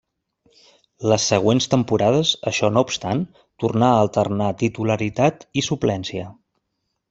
Les següents temporades, això no obstant, tornà a alternar titularitat i suplència.